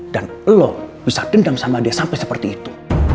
lo bisa dendam sama dia sampai seperti itu